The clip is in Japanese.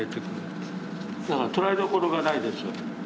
だからとらえどころがないですよ